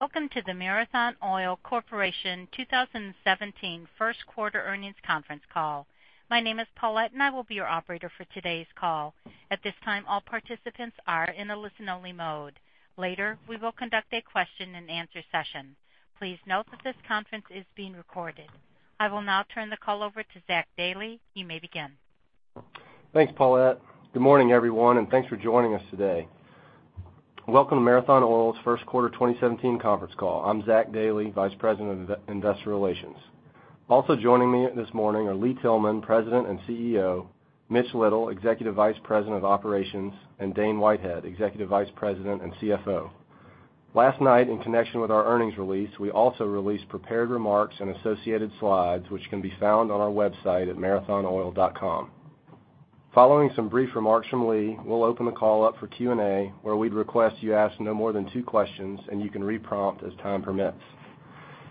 Welcome to the Marathon Oil Corporation 2017 first quarter earnings conference call. My name is Paulette, I will be your operator for today's call. At this time, all participants are in a listen-only mode. Later, we will conduct a question and answer session. Please note that this conference is being recorded. I will now turn the call over to Zach Dailey. You may begin. Thanks, Paulette. Good morning, everyone, thanks for joining us today. Welcome to Marathon Oil's first quarter 2017 conference call. I'm Zach Dailey, vice president of investor relations. Also joining me this morning are Lee Tillman, president and CEO; Mitch Little, executive vice president of operations; and Dane Whitehead, executive vice president and CFO. Last night, in connection with our earnings release, we also released prepared remarks and associated slides, which can be found on our website at marathonoil.com. Following some brief remarks from Lee, we'll open the call up for Q&A, where we'd request you ask no more than two questions, you can re-prompt as time permits.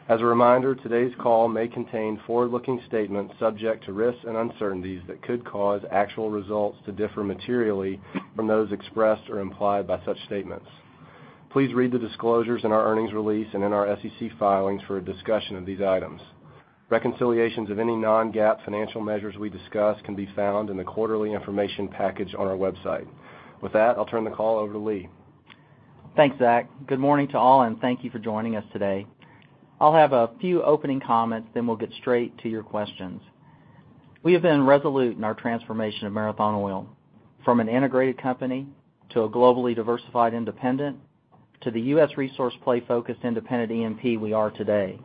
As a reminder, today's call may contain forward-looking statements subject to risks and uncertainties that could cause actual results to differ materially from those expressed or implied by such statements. Please read the disclosures in our earnings release in our SEC filings for a discussion of these items. Reconciliations of any non-GAAP financial measures we discuss can be found in the quarterly information package on our website. With that, I'll turn the call over to Lee. Thanks, Zach. Good morning to all, thank you for joining us today. I'll have a few opening comments, we'll get straight to your questions. We have been resolute in our transformation of Marathon Oil from an integrated company to a globally diversified independent to the U.S. resource play-focused independent E&P we are today.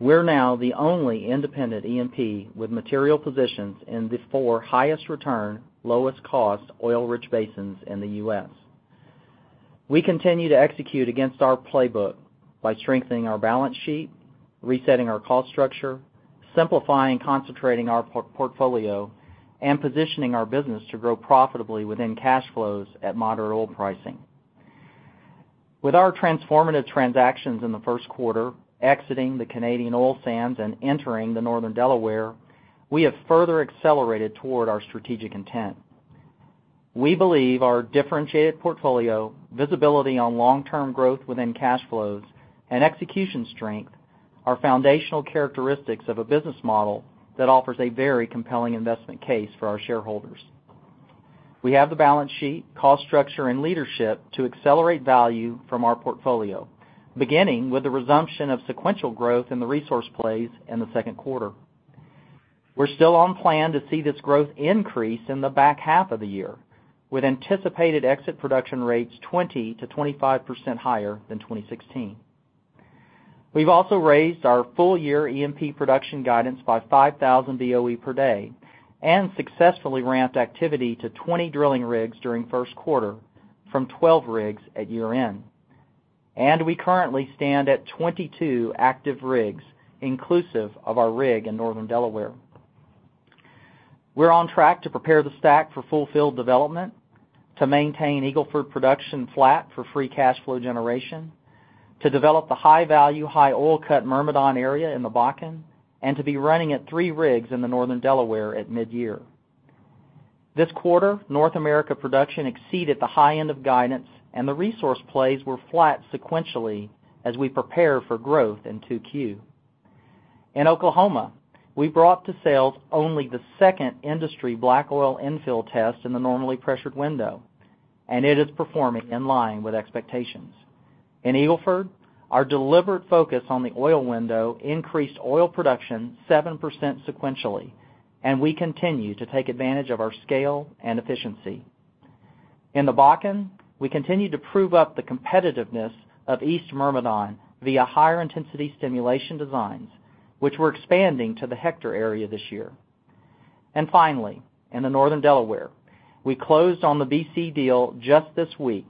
We're now the only independent E&P with material positions in the four highest return, lowest cost oil-rich basins in the U.S. We continue to execute against our playbook by strengthening our balance sheet, resetting our cost structure, simplifying, concentrating our portfolio, positioning our business to grow profitably within cash flows at moderate oil pricing. With our transformative transactions in the first quarter, exiting the Canadian oil sands and entering the Northern Delaware, we have further accelerated toward our strategic intent. We believe our differentiated portfolio, visibility on long-term growth within cash flows, and execution strength are foundational characteristics of a business model that offers a very compelling investment case for our shareholders. We have the balance sheet, cost structure, and leadership to accelerate value from our portfolio, beginning with the resumption of sequential growth in the resource plays in the second quarter. We're still on plan to see this growth increase in the back half of the year, with anticipated exit production rates 20%-25% higher than 2016. We've also raised our full-year E&P production guidance by 5,000 Boe per day and successfully ramped activity to 20 drilling rigs during the first quarter from 12 rigs at year-end. We currently stand at 22 active rigs, inclusive of our rig in Northern Delaware. We're on track to prepare the STACK for full field development, to maintain Eagle Ford production flat for free cash flow generation, to develop the high-value, high oil cut Myrmidon area in the Bakken, and to be running at three rigs in the Northern Delaware at mid-year. This quarter, North America production exceeded the high end of guidance. The resource plays were flat sequentially as we prepare for growth in 2Q. In Oklahoma, we brought to sale only the second industry black oil infill test in the normally pressured window. It is performing in line with expectations. In Eagle Ford, our deliberate focus on the oil window increased oil production 7% sequentially. We continue to take advantage of our scale and efficiency. In the Bakken, we continue to prove up the competitiveness of East Myrmidon via higher intensity stimulation designs, which we're expanding to the Hector area this year. Finally, in the Northern Delaware, we closed on the BC deal just this week,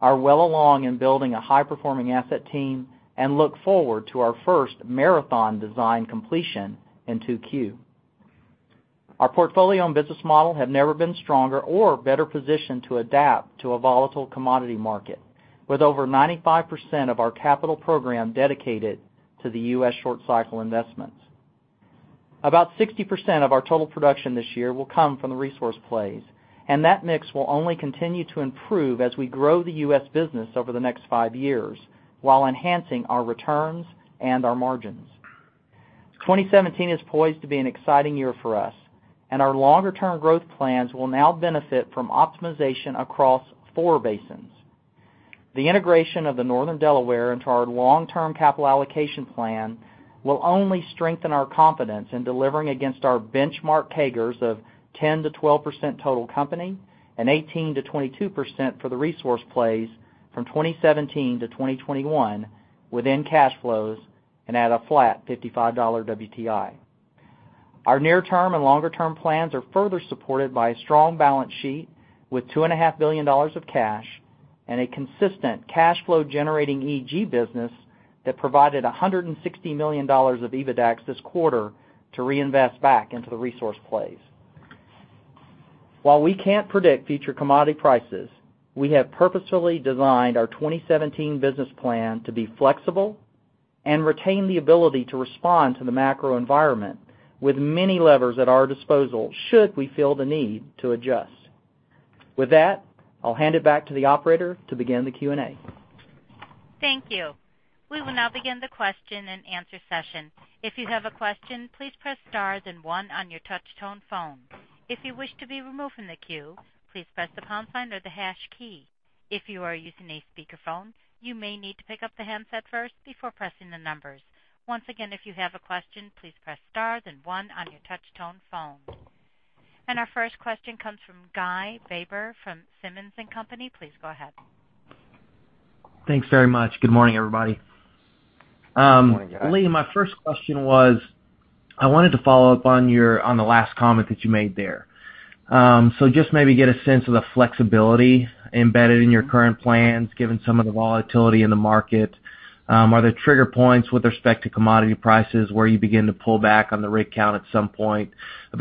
are well along in building a high-performing asset team, and look forward to our first Marathon design completion in 2Q. Our portfolio and business model have never been stronger or better positioned to adapt to a volatile commodity market, with over 95% of our capital program dedicated to the U.S. short cycle investments. About 60% of our total production this year will come from the resource plays. That mix will only continue to improve as we grow the U.S. business over the next five years while enhancing our returns and our margins. 2017 is poised to be an exciting year for us. Our longer-term growth plans will now benefit from optimization across four basins. The integration of the Northern Delaware into our long-term capital allocation plan will only strengthen our confidence in delivering against our benchmark CAGRs of 10%-12% total company and 18%-22% for the resource plays from 2017 to 2021 within cash flows and at a flat $55 WTI. Our near-term and longer-term plans are further supported by a strong balance sheet with $2.5 billion of cash and a consistent cash flow-generating EG business that provided $160 million of EBITDAX this quarter to reinvest back into the resource plays. While we can't predict future commodity prices, we have purposefully designed our 2017 business plan to be flexible and retain the ability to respond to the macro environment with many levers at our disposal should we feel the need to adjust. With that, I'll hand it back to the operator to begin the Q&A. Thank you. We will now begin the question and answer session. If you have a question, please press star then one on your touch-tone phone. If you wish to be removed from the queue, please press the pound sign or the hash key. If you are using a speakerphone, you may need to pick up the handset first before pressing the numbers. Once again, if you have a question, please press star then one on your touch-tone phone. Our first question comes from Guy Baber from Simmons & Company. Please go ahead. Thanks very much. Good morning, everybody. Good morning, Guy. Lee, my first question was, I wanted to follow up on the last comment that you made there. Just maybe get a sense of the flexibility embedded in your current plans, given some of the volatility in the market. Are there trigger points with respect to commodity prices, where you begin to pull back on the rig count at some point?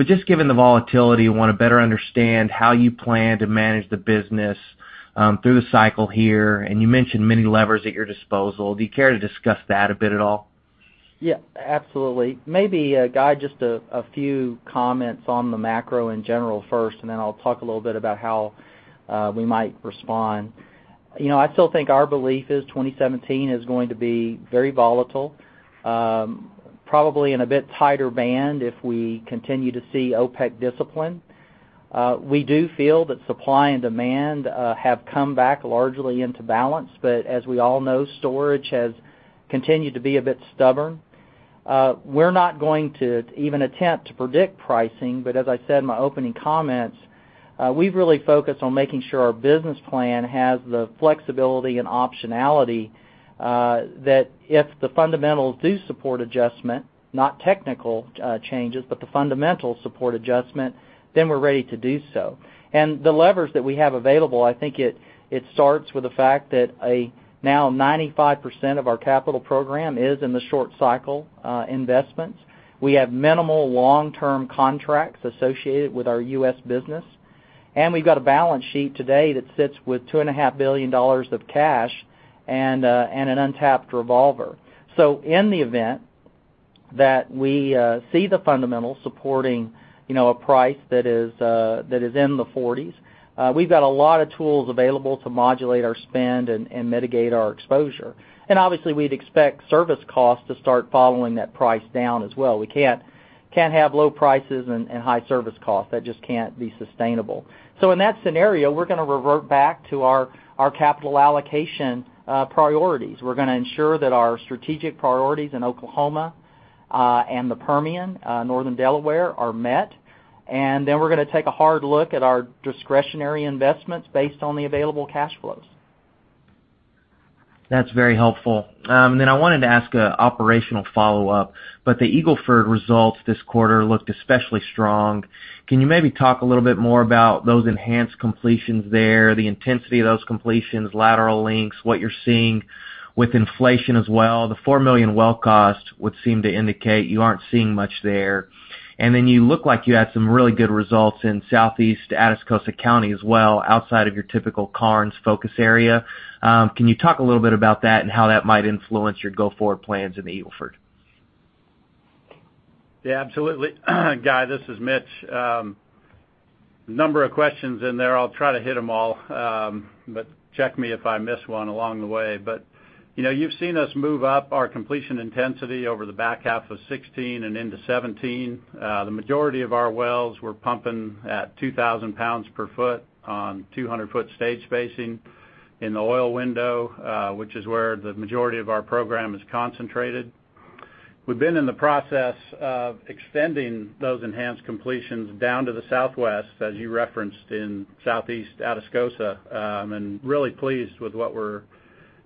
Just given the volatility, I want to better understand how you plan to manage the business through the cycle here, and you mentioned many levers at your disposal. Do you care to discuss that a bit at all? Yeah, absolutely. Maybe, Guy, just a few comments on the macro in general first, and then I'll talk a little bit about how we might respond. I still think our belief is 2017 is going to be very volatile, probably in a bit tighter band if we continue to see OPEC discipline. We do feel that supply and demand have come back largely into balance, but as we all know, storage has continued to be a bit stubborn. We're not going to even attempt to predict pricing, but as I said in my opening comments, we've really focused on making sure our business plan has the flexibility and optionality that if the fundamentals do support adjustment, not technical changes, but the fundamentals support adjustment, we're ready to do so. The levers that we have available, I think it starts with the fact that now 95% of our capital program is in the short cycle investments. We have minimal long-term contracts associated with our U.S. business, and we've got a balance sheet today that sits with $2.5 billion of cash and an untapped revolver. In the event that we see the fundamentals supporting a price that is in the 40s, we've got a lot of tools available to modulate our spend and mitigate our exposure. Obviously, we'd expect service costs to start following that price down as well. We can't have low prices and high service costs. That just can't be sustainable. In that scenario, we're going to revert back to our capital allocation priorities. We're going to ensure that our strategic priorities in Oklahoma and the Permian, Northern Delaware are met, we're going to take a hard look at our discretionary investments based on the available cash flows. That's very helpful. I wanted to ask an operational follow-up. The Eagle Ford results this quarter looked especially strong. Can you maybe talk a little bit more about those enhanced completions there, the intensity of those completions, lateral links, what you're seeing with inflation as well? The $4 million well cost would seem to indicate you aren't seeing much there. You look like you had some really good results in Southeast Atascosa County as well, outside of your typical Karnes focus area. Can you talk a little bit about that and how that might influence your go-forward plans in the Eagle Ford? Yeah, absolutely. Guy, this is Mitch. A number of questions in there. I'll try to hit them all, but check me if I miss one along the way. You've seen us move up our completion intensity over the back half of 2016 and into 2017. The majority of our wells were pumping at 2,000 pounds per foot on 200-foot stage spacing in the oil window, which is where the majority of our program is concentrated. We've been in the process of extending those enhanced completions down to the southwest, as you referenced in Southeast Atascosa, and really pleased with what we're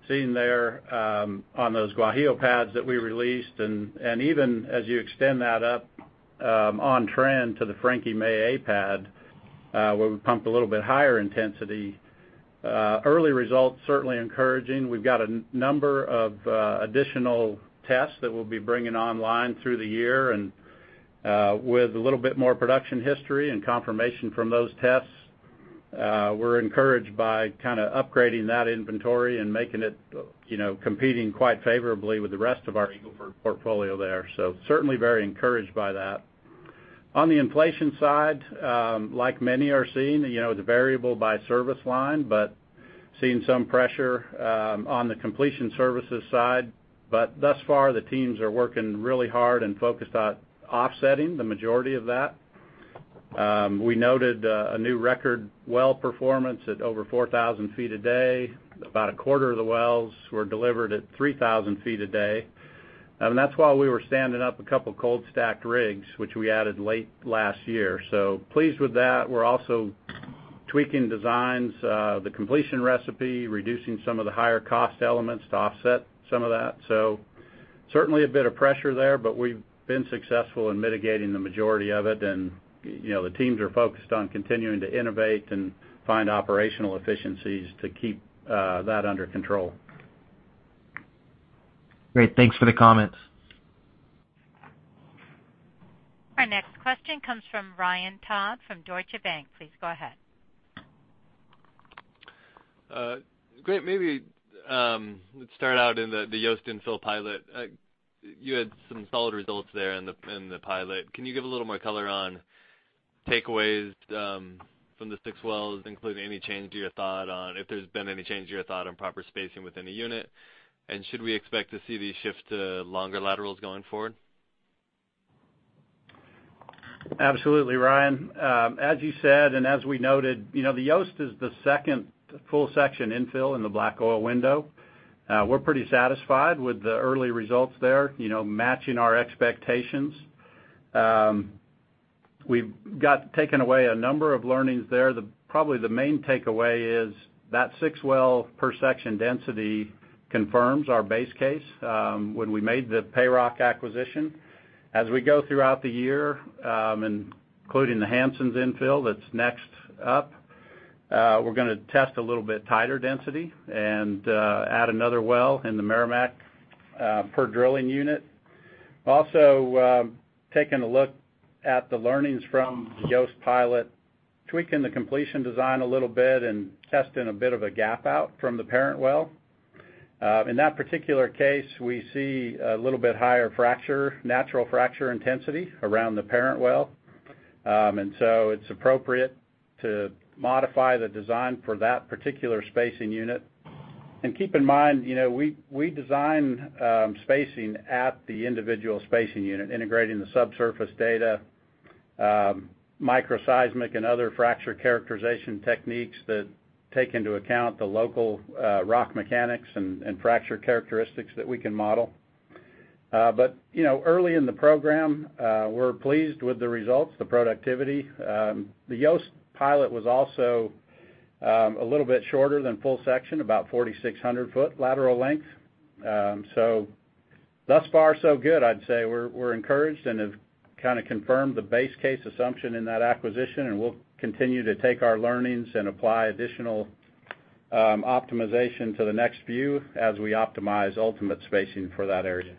seeing there on those Guajillo pads that we released, and even as you extend that up on trend to the Frankie May A pad, where we pump a little bit higher intensity. Early results certainly encouraging. We've got a number of additional tests that we'll be bringing online through the year, and with a little bit more production history and confirmation from those tests, we're encouraged by upgrading that inventory and making it competing quite favorably with the rest of our Eagle Ford portfolio there. Certainly very encouraged by that. On the inflation side, like many are seeing, it's variable by service line, but seeing some pressure on the completion services side. Thus far, the teams are working really hard and focused on offsetting the majority of that. We noted a new record well performance at over 4,000 feet a day. About a quarter of the wells were delivered at 3,000 feet a day. That's while we were standing up a couple cold stacked rigs, which we added late last year. Pleased with that. We're also tweaking designs, the completion recipe, reducing some of the higher cost elements to offset some of that. Certainly a bit of pressure there, but we've been successful in mitigating the majority of it, and the teams are focused on continuing to innovate and find operational efficiencies to keep that under control. Great. Thanks for the comments. Our next question comes from Ryan Todd from Deutsche Bank. Please go ahead. Great. Maybe let's start out in the Yost infill pilot. You had some solid results there in the pilot. Can you give a little more color on takeaways from the six wells, including if there's been any change to your thought on proper spacing within a unit? Should we expect to see these shift to longer laterals going forward? Absolutely, Ryan. As you said, as we noted, the Yost is the second full section infill in the black oil window. We're pretty satisfied with the early results there, matching our expectations. We've got taken away a number of learnings there. Probably the main takeaway is that six well per section density confirms our base case when we made the PayRock acquisition. As we go throughout the year, including the Hansons infill that's next up, we're going to test a little bit tighter density and add another well in the Meramec per drilling unit. Also taking a look at the learnings from the Yost pilot, tweaking the completion design a little bit, and testing a bit of a gap out from the parent well. In that particular case, we see a little bit higher natural fracture intensity around the parent well. It's appropriate to modify the design for that particular spacing unit. Keep in mind, we design spacing at the individual spacing unit, integrating the subsurface data, microseismic, and other fracture characterization techniques that take into account the local rock mechanics and fracture characteristics that we can model. Early in the program, we're pleased with the results, the productivity. The Yost pilot was also a little bit shorter than full section, about 4,600 foot lateral length. Thus far so good, I'd say. We're encouraged and have confirmed the base case assumption in that acquisition, we'll continue to take our learnings and apply additional optimization to the next few as we optimize ultimate spacing for that area.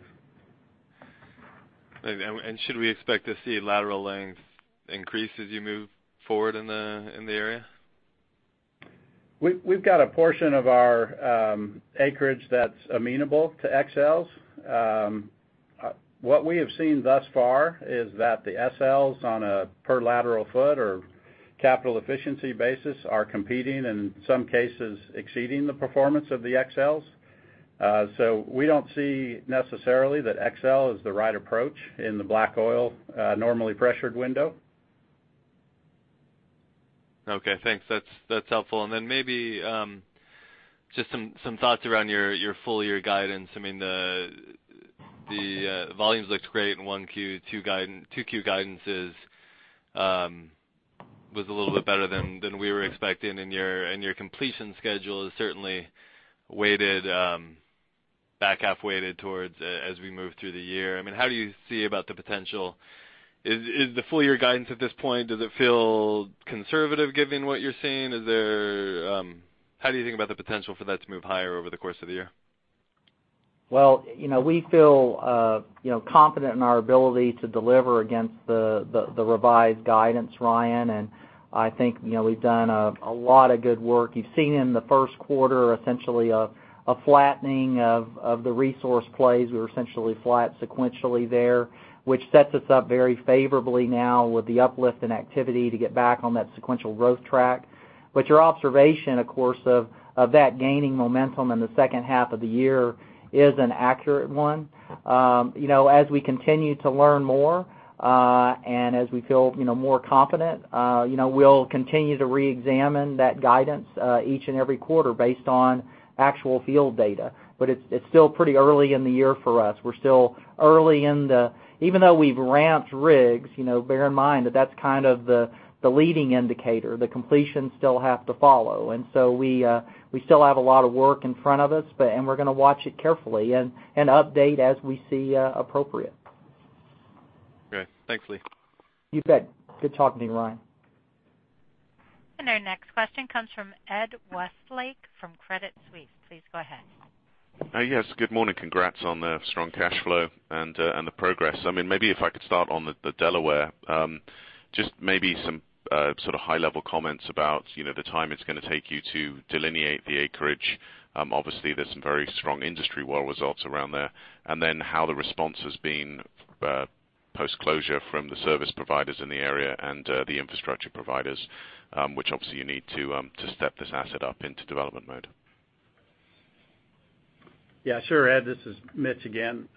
Should we expect to see lateral length increase as you move forward in the area? We've got a portion of our acreage that's amenable to XLs. What we have seen thus far is that the SLs on a per lateral foot or capital efficiency basis are competing, in some cases, exceeding the performance of the XLs. We don't see necessarily that XL is the right approach in the black oil normally pressured window. Okay, thanks. That's helpful. Then maybe just some thoughts around your full year guidance. The volumes looked great in 1Q, 2Q guidances was a little bit better than we were expecting, and your completion schedule is certainly back half weighted towards as we move through the year. How do you see about the potential? Is the full year guidance at this point, does it feel conservative given what you're seeing? How do you think about the potential for that to move higher over the course of the year? Well, we feel confident in our ability to deliver against the revised guidance, Ryan. I think we've done a lot of good work. You've seen in the first quarter, essentially a flattening of the resource plays. We were essentially flat sequentially there, which sets us up very favorably now with the uplift in activity to get back on that sequential growth track. Your observation, of course, of that gaining momentum in the second half of the year is an accurate one. As we continue to learn more, as we feel more confident, we'll continue to reexamine that guidance each and every quarter based on actual field data. It's still pretty early in the year for us. Even though we've ramped rigs, bear in mind that that's the leading indicator. The completions still have to follow. We still have a lot of work in front of us. We're going to watch it carefully and update as we see appropriate. Okay. Thanks, Lee. You bet. Good talking to you, Ryan. Our next question comes from Ed Westlake from Credit Suisse. Please go ahead. Yes, good morning. Congrats on the strong cash flow and the progress. Maybe if I could start on the Delaware. Just maybe some sort of high-level comments about the time it's going to take you to delineate the acreage. Obviously, there's some very strong industry well results around there. Then how the response has been post-closure from the service providers in the area and the infrastructure providers, which obviously you need to step this asset up into development mode. Yeah, sure, Ed. This is Mitch again.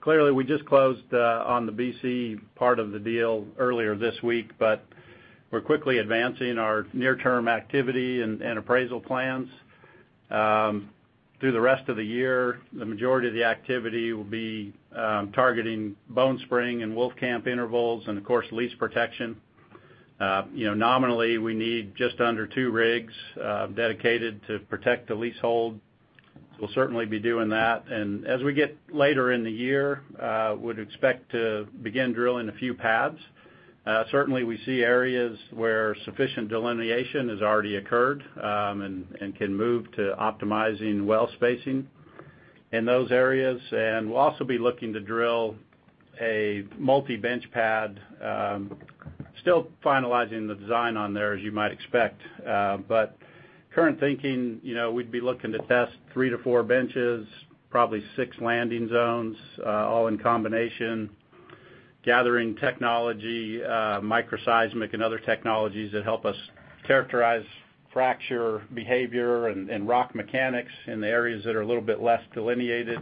Clearly, we just closed on the BC part of the deal earlier this week, but we're quickly advancing our near-term activity and appraisal plans. Through the rest of the year, the majority of the activity will be targeting Bone Spring and Wolfcamp intervals, and of course, lease protection. Nominally, we need just under two rigs dedicated to protect the leasehold. We'll certainly be doing that. As we get later in the year, would expect to begin drilling a few pads. Certainly, we see areas where sufficient delineation has already occurred, and can move to optimizing well spacing in those areas. We'll also be looking to drill a multi-bench pad. Still finalizing the design on there, as you might expect. Current thinking, we'd be looking to test 3-4 benches, probably six landing zones, all in combination, gathering technology, microseismic and other technologies that help us characterize fracture behavior and rock mechanics in the areas that are a little bit less delineated.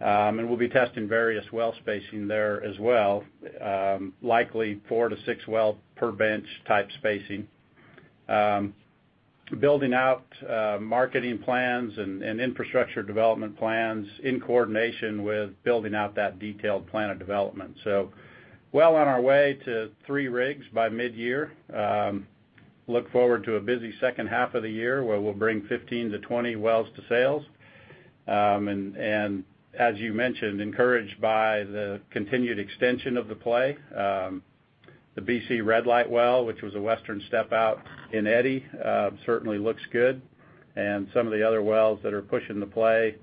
We'll be testing various well spacing there as well. Likely 4-6 well per bench type spacing. Building out marketing plans and infrastructure development plans in coordination with building out that detailed plan of development. Well on our way to three rigs by mid-year. Look forward to a busy second half of the year, where we'll bring 15-20 wells to sales. As you mentioned, encouraged by the continued extension of the play. The BC Red Light well, which was a western step out in Eddy, certainly looks good. Some of the other wells that are pushing the play,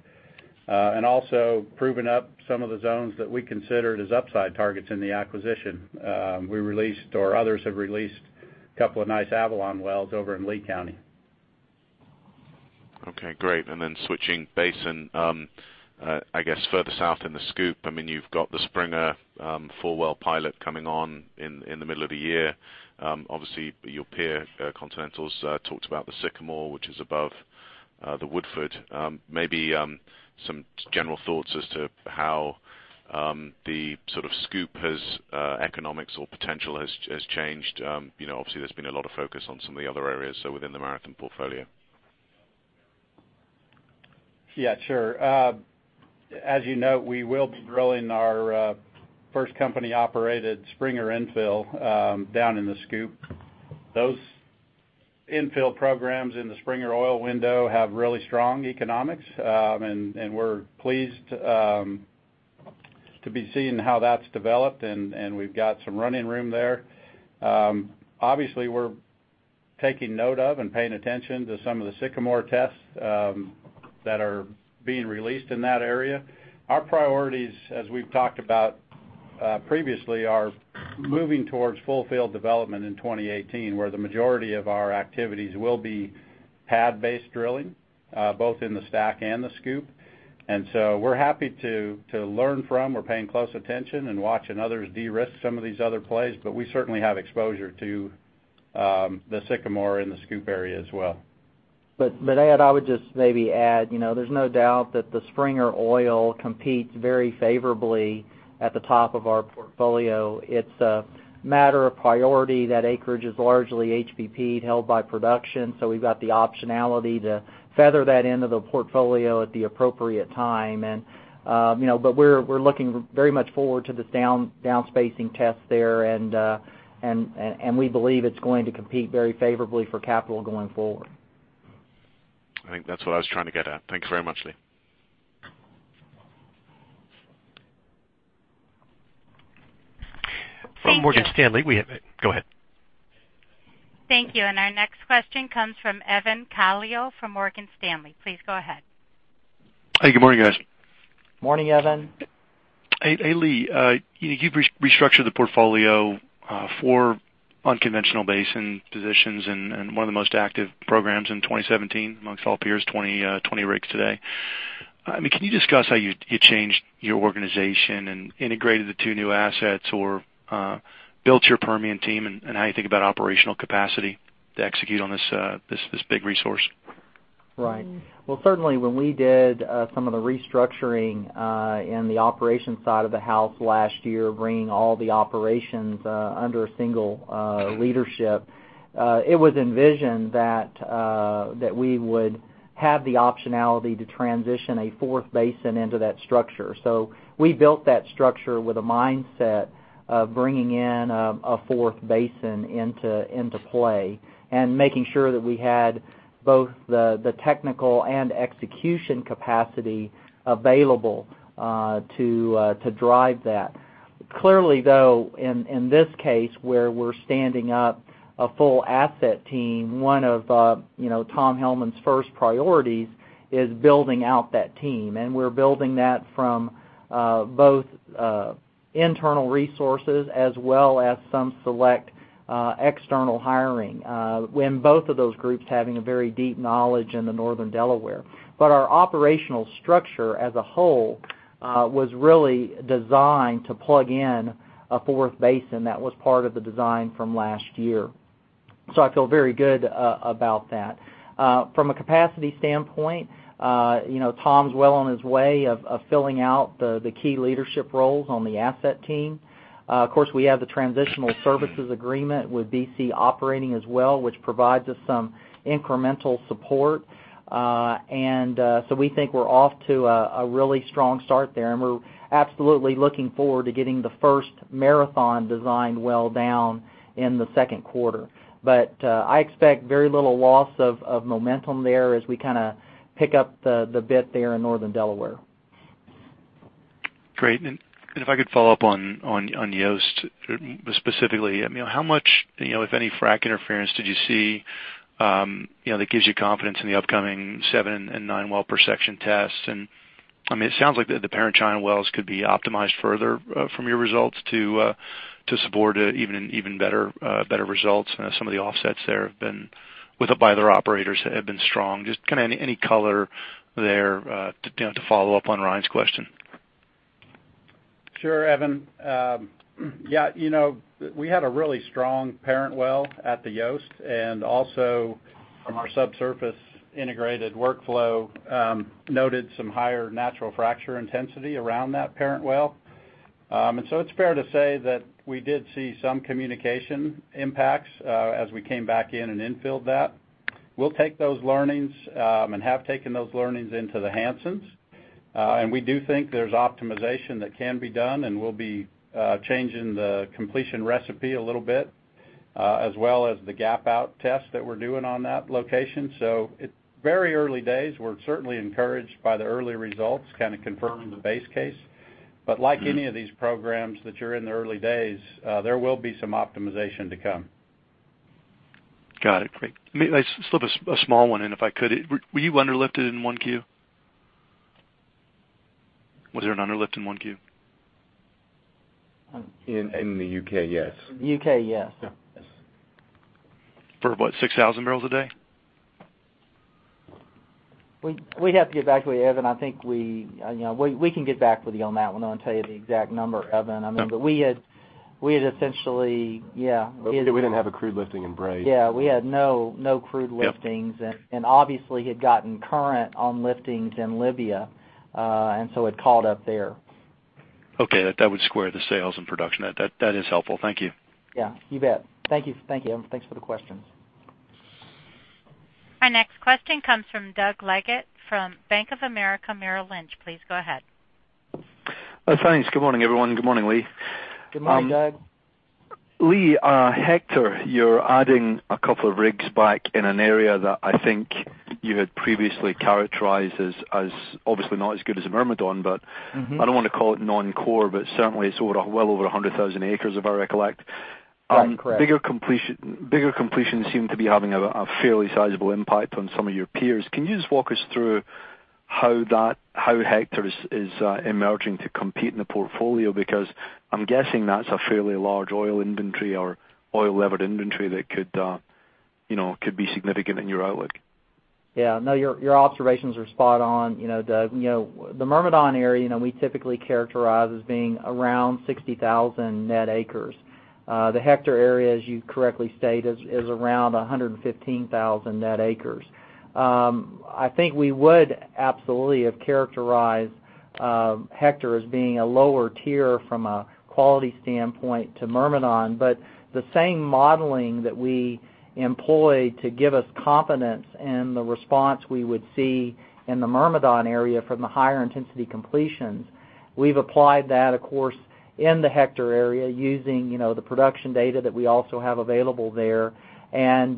and also proving up some of the zones that we considered as upside targets in the acquisition. We released, or others have released, a couple of nice Avalon wells over in Lea County. Okay, great. Switching basin, I guess further south in the SCOOP, you've got the Springer four-well pilot coming on in the middle of the year. Obviously, your peer, Continentals, talked about the Sycamore, which is above the Woodford. Maybe some general thoughts as to how the sort of SCOOP economics or potential has changed. Obviously, there's been a lot of focus on some of the other areas, so within the Marathon portfolio. Yeah, sure. As you note, we will be drilling our first company-operated Springer infill down in the SCOOP. Those infill programs in the Springer oil window have really strong economics, and we're pleased to be seeing how that's developed, and we've got some running room there. Obviously, we're taking note of and paying attention to some of the Sycamore tests that are being released in that area. Our priorities, as we've talked about previously, are moving towards full field development in 2018, where the majority of our activities will be pad-based drilling, both in the STACK and the SCOOP. We're happy to learn from, we're paying close attention and watching others de-risk some of these other plays, but we certainly have exposure to the Sycamore and the SCOOP area as well. Ed, I would just maybe add, there's no doubt that the Springer oil competes very favorably at the top of our portfolio. It's a matter of priority that acreage is largely HBP'd held by production. We've got the optionality to feather that into the portfolio at the appropriate time. We're looking very much forward to the down-spacing test there, and we believe it's going to compete very favorably for capital going forward. I think that's what I was trying to get at. Thank you very much, Lee. From Morgan Stanley, Go ahead. Thank you. Our next question comes from Evan Calio from Morgan Stanley. Please go ahead. Hey, good morning, guys. Morning, Evan. Hey, Lee. You've restructured the portfolio for unconventional basin positions and one of the most active programs in 2017 amongst all peers, 20 rigs today. Can you discuss how you changed your organization and integrated the two new assets or built your Permian team and how you think about operational capacity to execute on this big resource? Right. Well, certainly when we did some of the restructuring in the operations side of the house last year, bringing all the operations under a single leadership, it was envisioned that we would have the optionality to transition a fourth basin into that structure. We built that structure with a mindset of bringing in a fourth basin into play and making sure that we had both the technical and execution capacity available to drive that. Clearly, though, in this case, where we're standing up a full asset team, one of Tom Hellman's first priorities is building out that team. We're building that from both internal resources as well as some select external hiring, with both of those groups having a very deep knowledge in the Northern Delaware. Our operational structure as a whole was really designed to plug in a fourth basin that was part of the design from last year. I feel very good about that. From a capacity standpoint, Tom's well on his way of filling out the key leadership roles on the asset team. Of course, we have the transitional services agreement with BC Operating as well, which provides us some incremental support. We think we're off to a really strong start there, we're absolutely looking forward to getting the first Marathon-designed well down in the second quarter. I expect very little loss of momentum there as we pick up the bit there in Northern Delaware. If I could follow up on Yost specifically. How much, if any, frac interference did you see that gives you confidence in the upcoming seven and nine well-per-section tests? It sounds like the parent child wells could be optimized further from your results to support even better results. Some of the offsets there by their operators have been strong. Just any color there to follow up on Ryan's question? Sure, Evan. We had a really strong parent well at the Yost, and also from our subsurface integrated workflow, noted some higher natural fracture intensity around that parent well. It's fair to say that we did see some communication impacts as we came back in and infilled that. We'll take those learnings and have taken those learnings into the Hansons. We do think there's optimization that can be done, and we'll be changing the completion recipe a little bit, as well as the gap out test that we're doing on that location. It's very early days. We're certainly encouraged by the early results, kind of confirming the base case. Like any of these programs that you're in the early days, there will be some optimization to come. Got it. Great. Let me slip a small one in if I could. Were you under lifted in 1Q? Was there an under lift in 1Q? In the U.K., yes. U.K., yes. For what, 6,000 barrels a day? We'd have to get back with you, Evan. I think we can get back with you on that one and tell you the exact number, Evan. We had essentially, yeah. We didn't have a crude lifting in Brae. Yeah. We had no crude liftings. Yep. Obviously, had gotten current on liftings in Libya, and so it called up there. Okay. That would square the sales and production. That is helpful. Thank you. Yeah. You bet. Thank you, Evan. Thanks for the questions. Our next question comes from Doug Leggate from Bank of America Merrill Lynch. Please go ahead. Thanks. Good morning, everyone. Good morning, Lee. Good morning, Doug. Lee, Hector, you're adding a couple of rigs back in an area that I think you had previously characterized as obviously not as good as Myrmidon, but I don't want to call it non-core, but certainly it's well over 100,000 acres, if I recollect. Right. Correct. Bigger completions seem to be having a fairly sizable impact on some of your peers. Can you just walk us through how Hector is emerging to compete in the portfolio? Because I'm guessing that's a fairly large oil inventory or oil-levered inventory that could be significant in your outlook. Yeah, no, your observations are spot on, Doug. The Myrmidon area, we typically characterize as being around 60,000 net acres. The Hector area, as you correctly state, is around 115,000 net acres. I think we would absolutely have characterized Hector as being a lower tier from a quality standpoint to Myrmidon. The same modeling that we employ to give us confidence in the response we would see in the Myrmidon area from the higher intensity completions, we've applied that, of course, in the Hector area using the production data that we also have available there and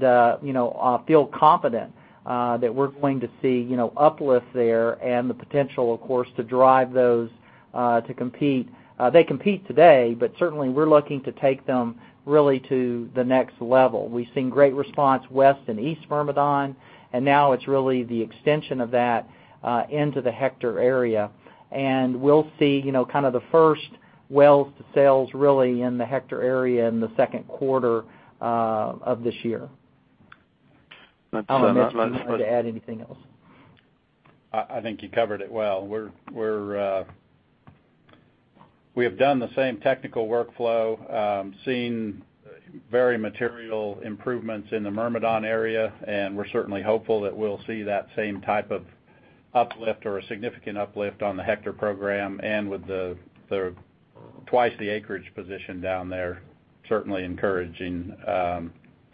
feel confident that we're going to see uplift there and the potential, of course, to drive those to compete. They compete today, but certainly we're looking to take them really to the next level. We've seen great response west and east Myrmidon. Now it's really the extension of that into the Hector area. And we'll see the first wells to sales really in the Hector area in the second quarter of this year. I don't know, Mitch, if you wanted to add anything else. I think you covered it well. We have done the same technical workflow, seen very material improvements in the Myrmidon area, and we are certainly hopeful that we will see that same type of uplift or a significant uplift on the Hector program and with the twice the acreage position down there, certainly encouraging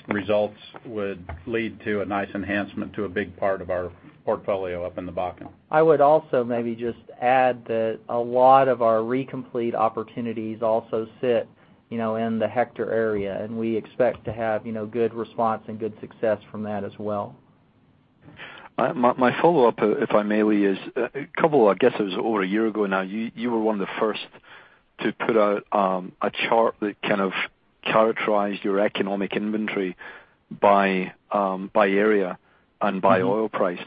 results would lead to a nice enhancement to a big part of our portfolio up in the Bakken. I would also maybe just add that a lot of our recomplete opportunities also sit in the Hector area, and we expect to have good response and good success from that as well. My follow-up, if I may, Lee, is a couple, I guess it was over a year ago now, you were one of the first to put out a chart that kind of characterized your economic inventory by area and by oil price.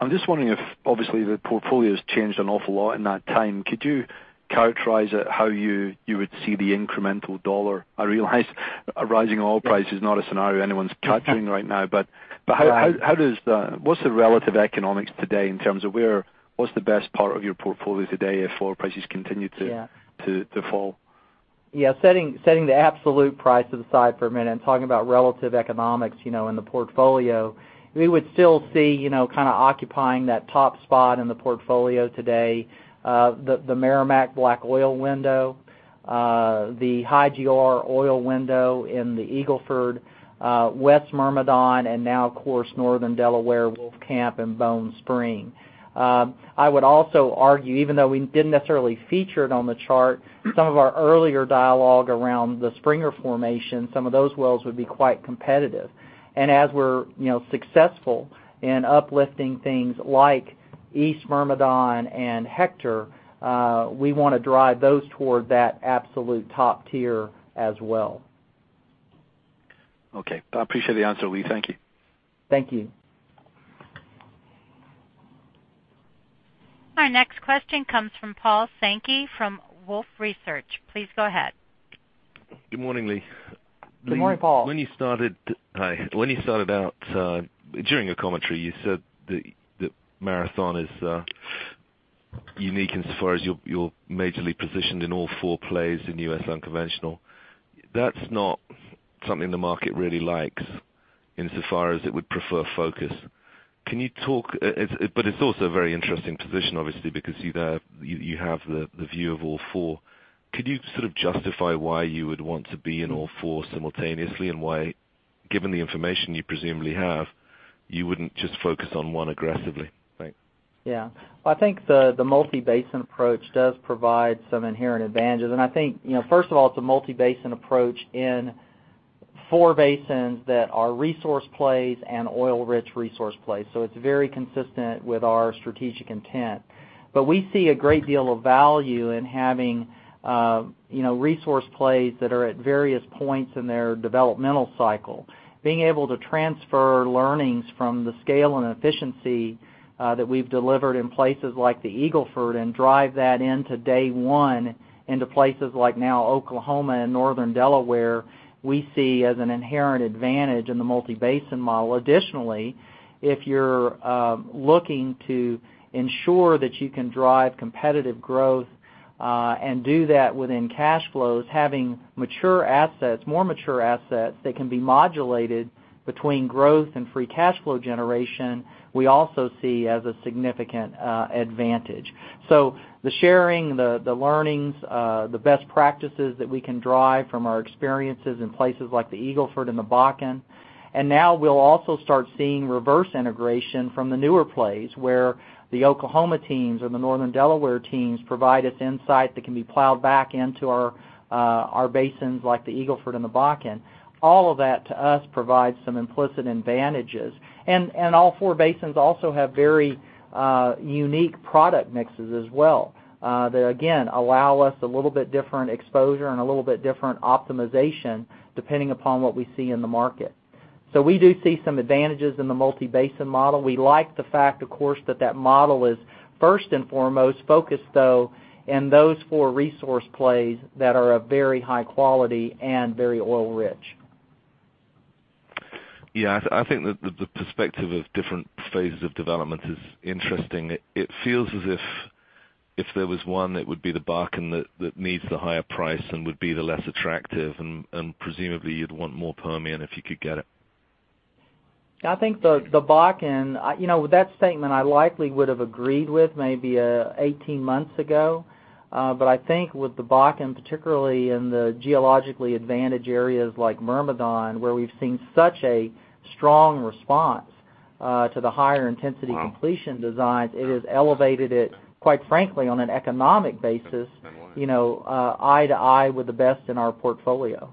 I am just wondering if, obviously, the portfolio has changed an awful lot in that time. Could you characterize it, how you would see the incremental dollar? I realize a rising oil price is not a scenario anyone is capturing right now. Right. What is the relative economics today in terms of what is the best part of your portfolio today if oil prices continue to fall? Setting the absolute prices aside for a minute and talking about relative economics in the portfolio, we would still see occupying that top spot in the portfolio today, the Meramec black oil window, the high GR oil window in the Eagle Ford, West Myrmidon, and now of course, Northern Delaware, Wolfcamp, and Bone Spring. I would also argue, even though we didn't necessarily feature it on the chart, some of our earlier dialogue around the Springer formation, some of those wells would be quite competitive. As we're successful in uplifting things like East Myrmidon and Hector, we want to drive those toward that absolute top tier as well. Okay. I appreciate the answer, Lee. Thank you. Thank you. Our next question comes from Paul Sankey from Wolfe Research. Please go ahead. Good morning, Lee. Good morning, Paul. Hi. When you started out, during your commentary, you said that Marathon is unique in so far as you're majorly positioned in all 4 plays in U.S. unconventional. That's not something the market really likes in so far as it would prefer focus. It's also a very interesting position, obviously, because you have the view of all four. Could you sort of justify why you would want to be in all four simultaneously, and why, given the information you presumably have, you wouldn't just focus on one aggressively? Thanks. Yeah. Well, I think the multi-basin approach does provide some inherent advantages. I think, first of all, it's a multi-basin approach in 4 basins that are resource plays and oil-rich resource plays. It's very consistent with our strategic intent. We see a great deal of value in having resource plays that are at various points in their developmental cycle. Being able to transfer learnings from the scale and efficiency that we've delivered in places like the Eagle Ford and drive that into day one into places like now Oklahoma and Northern Delaware, we see as an inherent advantage in the multi-basin model. Additionally, if you're looking to ensure that you can drive competitive growth, and do that within cash flows, having more mature assets that can be modulated between growth and free cash flow generation, we also see as a significant advantage. The sharing, the learnings, the best practices that we can drive from our experiences in places like the Eagle Ford and the Bakken. Now we'll also start seeing reverse integration from the newer plays, where the Oklahoma teams or the Northern Delaware teams provide us insight that can be plowed back into our basins, like the Eagle Ford and the Bakken. All of that, to us, provides some implicit advantages. All four basins also have very unique product mixes as well, that again, allow us a little bit different exposure and a little bit different optimization depending upon what we see in the market. We do see some advantages in the multi-basin model. We like the fact, of course, that that model is first and foremost focused, though, in those four resource plays that are of very high quality and very oil rich. I think that the perspective of different phases of development is interesting. It feels as if there was one that would be the Bakken that needs the higher price and would be the less attractive, and presumably you'd want more Permian if you could get it. I think the Bakken, that statement I likely would've agreed with maybe 18 months ago. I think with the Bakken, particularly in the geologically advantaged areas like Myrmidon, where we've seen such a strong response to the higher intensity completion designs, it has elevated it, quite frankly, on an economic basis, eye to eye with the best in our portfolio.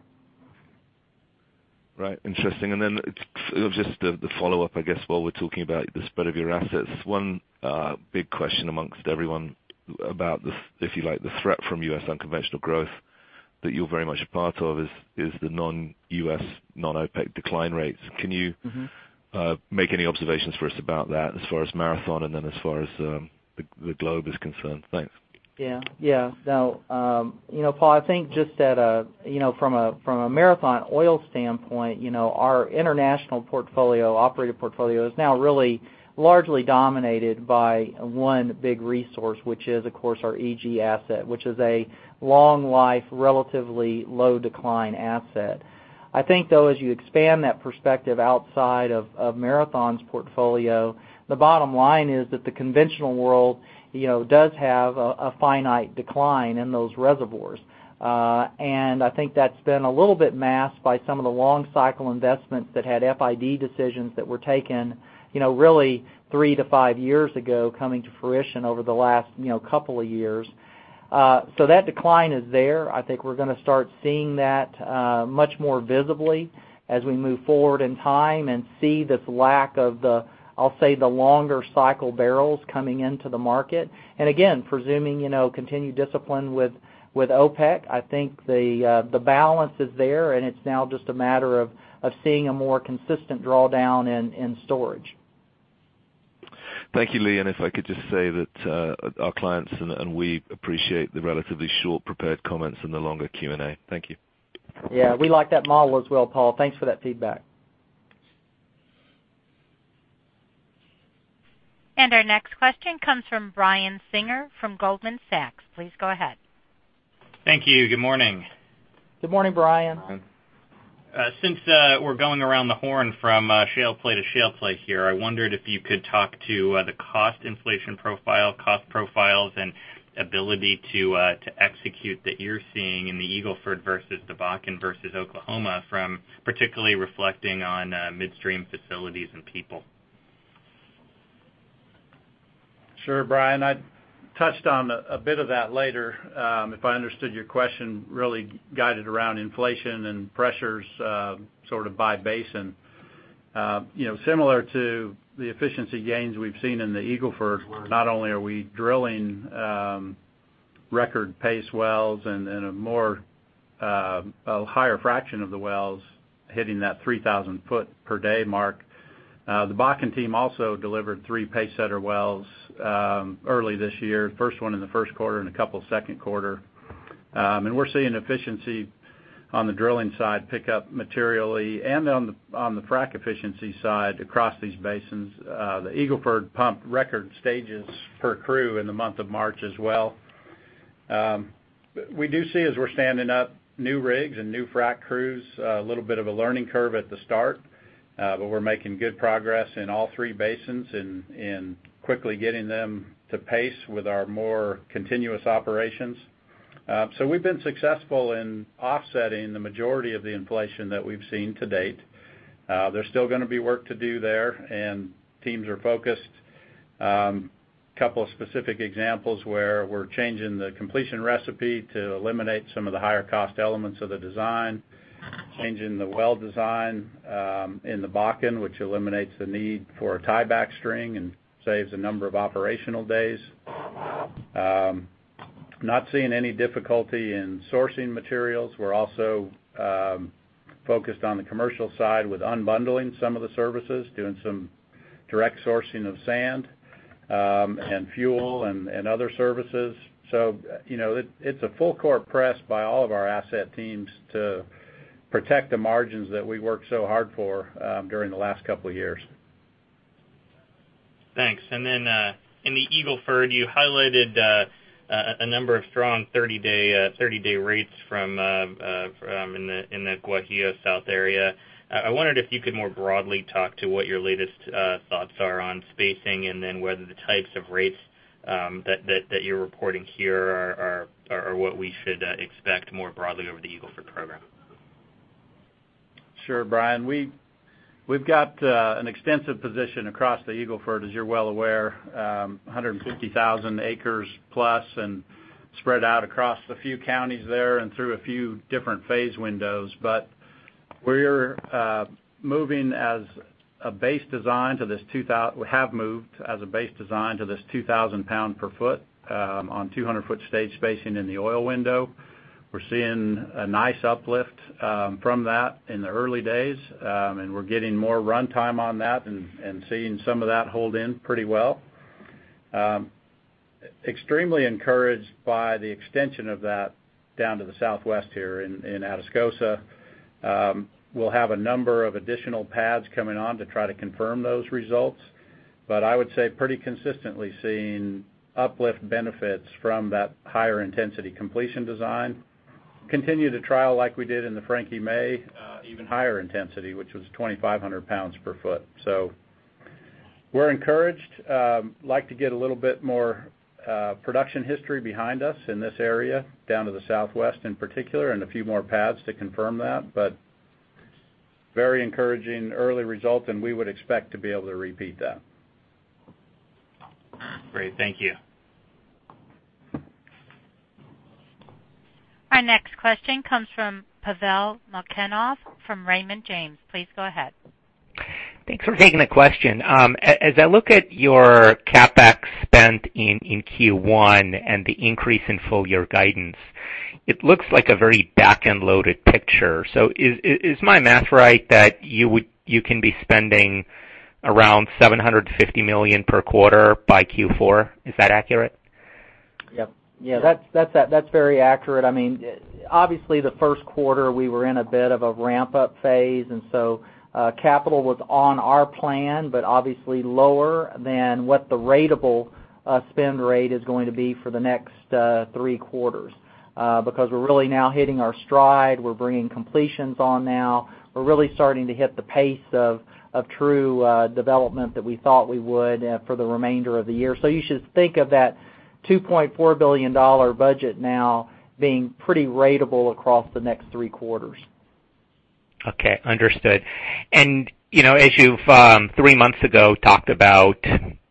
Right. Interesting. Then, just the follow-up, I guess, while we're talking about the spread of your assets. One big question amongst everyone about the, if you like, the threat from U.S. unconventional growth that you're very much a part of, is the non-U.S., non-OPEC decline rates. Can you make any observations for us about that as far as Marathon and then as far as the globe is concerned? Thanks. Yeah. Now, Paul, I think just that from a Marathon Oil standpoint, our international operated portfolio is now really largely dominated by one big resource, which is, of course, our EG asset, which is a long life, relatively low decline asset. I think, though, as you expand that perspective outside of Marathon's portfolio, the bottom line is that the conventional world does have a finite decline in those reservoirs. I think that's been a little bit masked by some of the long cycle investments that had FID decisions that were taken really three to five years ago, coming to fruition over the last couple of years. That decline is there. I think we're going to start seeing that much more visibly as we move forward in time and see this lack of the, I'll say, the longer cycle barrels coming into the market. Again, presuming continued discipline with OPEC, I think the balance is there, and it's now just a matter of seeing a more consistent drawdown in storage. Thank you, Lee, if I could just say that our clients and we appreciate the relatively short prepared comments and the longer Q&A. Thank you. Yeah. We like that model as well, Paul. Thanks for that feedback. Our next question comes from Brian Singer from Goldman Sachs. Please go ahead. Thank you. Good morning. Good morning, Brian. Since we're going around the horn from shale play to shale play here, I wondered if you could talk to the cost inflation profile, cost profiles, and ability to execute that you're seeing in the Eagle Ford versus the Bakken versus Oklahoma from particularly reflecting on midstream facilities and people. Sure, Brian. I touched on a bit of that later. If I understood your question really guided around inflation and pressures sort of by basin. Similar to the efficiency gains we've seen in the Eagle Ford, not only are we drilling record pace wells and a higher fraction of the wells hitting that 3,000 foot per day mark, the Bakken team also delivered three pacesetter wells early this year. First one in the first quarter, and a couple second quarter. We're seeing efficiency on the drilling side pick up materially, and on the frack efficiency side across these basins. The Eagle Ford pumped record stages per crew in the month of March as well. We do see, as we're standing up new rigs and new frack crews, a little bit of a learning curve at the start. We're making good progress in all three basins in quickly getting them to pace with our more continuous operations. We've been successful in offsetting the majority of the inflation that we've seen to date. There's still going to be work to do there, and teams are focused. Couple of specific examples where we're changing the completion recipe to eliminate some of the higher cost elements of the design, changing the well design in the Bakken, which eliminates the need for a tieback string and saves a number of operational days. Not seeing any difficulty in sourcing materials. We're also focused on the commercial side with unbundling some of the services, doing some direct sourcing of sand, and fuel, and other services. It's a full court press by all of our asset teams to protect the margins that we worked so hard for during the last couple of years. Thanks. In the Eagle Ford, you highlighted a number of strong 30-day rates in the Guajillo South area. I wondered if you could more broadly talk to what your latest thoughts are on spacing, then whether the types of rates that you're reporting here are what we should expect more broadly over the Eagle Ford program. Sure, Brian. We've got an extensive position across the Eagle Ford, as you're well aware. 150,000 acres plus, spread out across a few counties there and through a few different phase windows. We have moved as a base design to this 2,000 pound per foot, on 200 foot stage spacing in the oil window. We're seeing a nice uplift from that in the early days, and we're getting more runtime on that and seeing some of that hold in pretty well. Extremely encouraged by the extension of that down to the southwest here in Atascosa. We'll have a number of additional pads coming on to try to confirm those results. I would say pretty consistently seeing uplift benefits from that higher intensity completion design. Continue to trial like we did in the Frankie May, even higher intensity, which was 2,500 pounds per foot. We're encouraged. We'd like to get a little bit more production history behind us in this area, down to the southwest in particular, and a few more pads to confirm that, very encouraging early results, and we would expect to be able to repeat that. Great. Thank you. Our next question comes from Pavel Molchanov from Raymond James. Please go ahead. Thanks for taking the question. As I look at your CapEx spend in Q1 and the increase in full year guidance, it looks like a very back-end loaded picture. Is my math right that you can be spending around $750 million per quarter by Q4? Is that accurate? Yep. Yeah, that's very accurate. Obviously, the first quarter, we were in a bit of a ramp-up phase, capital was on our plan, but obviously lower than what the ratable spend rate is going to be for the next three quarters. We're really now hitting our stride. We're bringing completions on now. We're really starting to hit the pace of true development that we thought we would for the remainder of the year. You should think of that $2.4 billion budget now being pretty ratable across the next three quarters. Okay. Understood. As you've three months ago talked about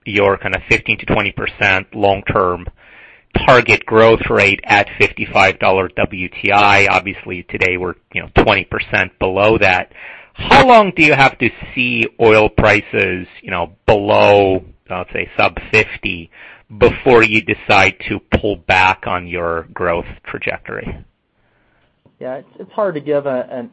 your kind of 15%-20% long-term target growth rate at $55 WTI. Obviously, today we're 20% below that. How long do you have to see oil prices below, let's say sub 50, before you decide to pull back on your growth trajectory? Yeah. It's hard to give a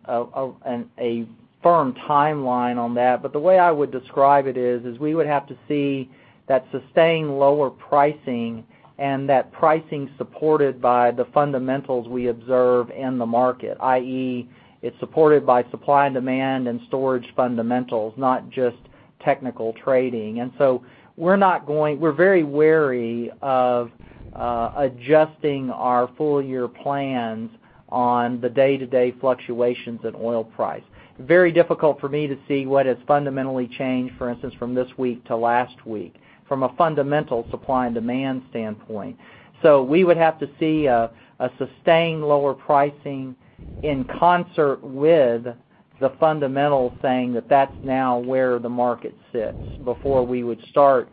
firm timeline on that, the way I would describe it is we would have to see that sustained lower pricing and that pricing supported by the fundamentals we observe in the market, i.e., it's supported by supply and demand and storage fundamentals, not just technical trading. We're very wary of adjusting our full year plans on the day-to-day fluctuations in oil price. Very difficult for me to see what has fundamentally changed, for instance, from this week to last week, from a fundamental supply and demand standpoint. We would have to see a sustained lower pricing in concert with the fundamentals saying that that's now where the market sits before we would start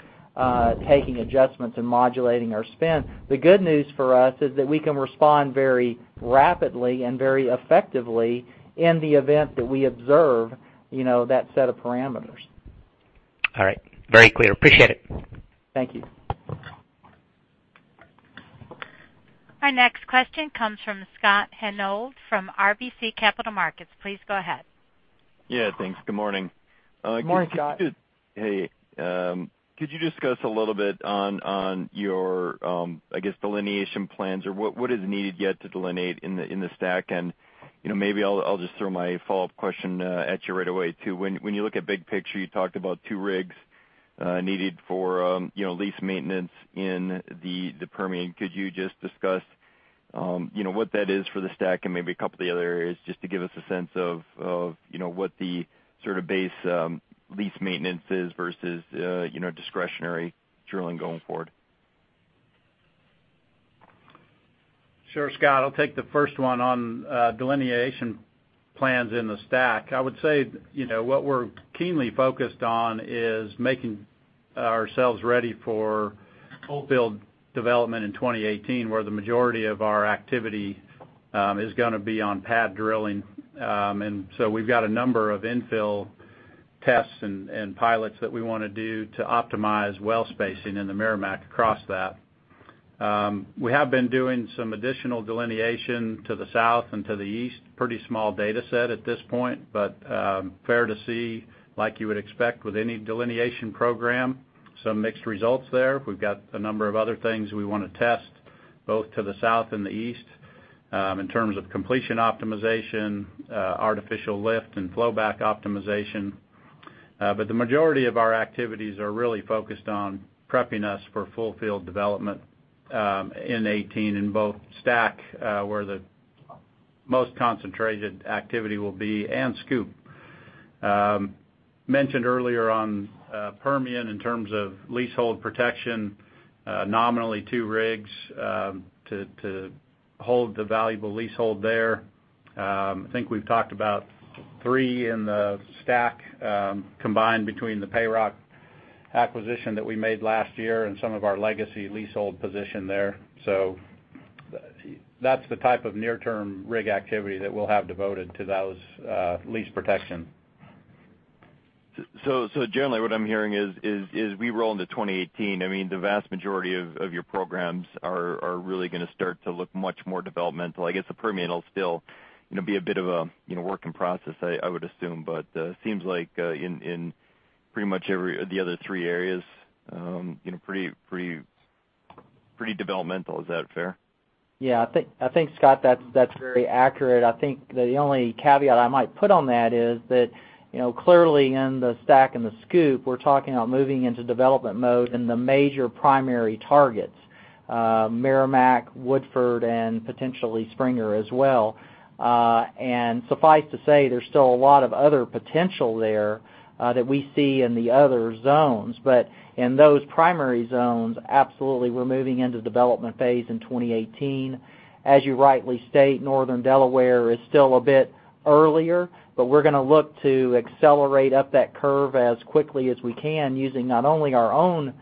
taking adjustments and modulating our spend. The good news for us is that we can respond very rapidly and very effectively in the event that we observe that set of parameters. All right. Very clear. Appreciate it. Thank you. Our next question comes from Scott Hanold from RBC Capital Markets. Please go ahead. Yeah, thanks. Good morning. Morning, Scott. Hey. Could you discuss a little bit on your, I guess, delineation plans, or what is needed yet to delineate in the STACK? Maybe I'll just throw my follow-up question at you right away, too. When you look at big picture, you talked about two rigs needed for lease maintenance in the Permian. Could you just discuss what that is for the STACK and maybe a couple of the other areas, just to give us a sense of what the base lease maintenance is versus discretionary drilling going forward? Sure, Scott. I'll take the first one on delineation plans in the STACK. I would say, what we're keenly focused on is making ourselves ready for full field development in 2018, where the majority of our activity is going to be on pad drilling. So we've got a number of infill tests and pilots that we want to do to optimize well spacing in the Meramec across that. We have been doing some additional delineation to the south and to the east. Pretty small data set at this point, but fair to see, like you would expect with any delineation program, some mixed results there. We've got a number of other things we want to test, both to the south and the east, in terms of completion optimization, artificial lift, and flow back optimization. The majority of our activities are really focused on prepping us for full field development in 2018, in both STACK, where the most concentrated activity will be, and SCOOP. Mentioned earlier on Permian, in terms of leasehold protection, nominally two rigs to hold the valuable leasehold there. I think we've talked about three in the STACK, combined between the PayRock acquisition that we made last year and some of our legacy leasehold position there. That's the type of near-term rig activity that we'll have devoted to those lease protection. Generally what I'm hearing is we roll into 2018, the vast majority of your programs are really going to start to look much more developmental. I guess the Permian will still be a bit of a work in process, I would assume. It seems like in pretty much the other three areas, pretty developmental. Is that fair? Yeah. I think, Scott, that's very accurate. I think the only caveat I might put on that is that clearly in the STACK and the SCOOP, we're talking about moving into development mode in the major primary targets, Meramec, Woodford, and potentially Springer as well. Suffice to say, there's still a lot of other potential there that we see in the other zones. In those primary zones, absolutely, we're moving into development phase in 2018. As you rightly state, Northern Delaware is still a bit earlier, but we're going to look to accelerate up that curve as quickly as we can, using not only our own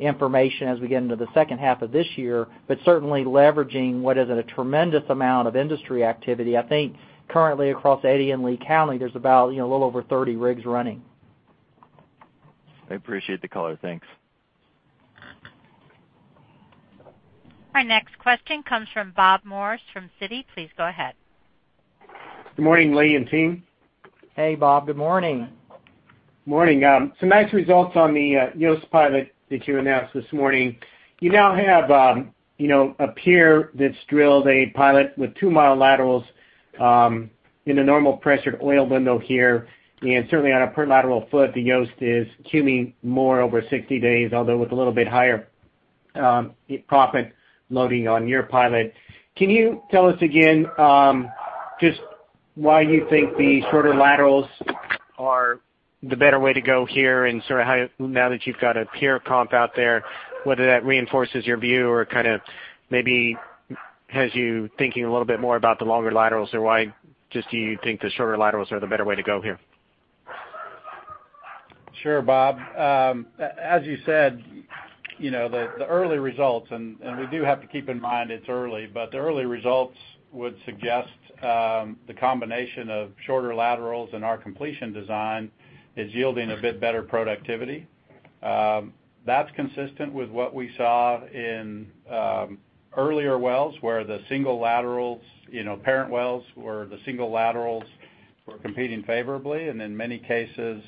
information as we get into the second half of this year, but certainly leveraging what is a tremendous amount of industry activity. I think currently across Eddy and Lea County, there's about a little over 30 rigs running. I appreciate the color. Thanks. Our next question comes from Bob Morris from Citi. Please go ahead. Good morning, Lee and team. Hey, Bob. Good morning. Morning. Some nice results on the Yost pilot that you announced this morning. You now have a peer that's drilled a pilot with two-mile laterals in the normal pressured oil window here, and certainly on a per lateral foot, the Yost is cuming more over 60 days, although with a little bit higher proppant loading on your pilot. Can you tell us again just why you think the shorter laterals are the better way to go here, and now that you've got a peer comp out there, whether that reinforces your view or maybe has you thinking a little bit more about the longer laterals, or why just do you think the shorter laterals are the better way to go here? Sure, Bob. As you said, the early results, and we do have to keep in mind it's early, but the early results would suggest the combination of shorter laterals and our completion design is yielding a bit better productivity. That's consistent with what we saw in earlier wells, where the single laterals, parent wells, or the single laterals were competing favorably, and in many cases,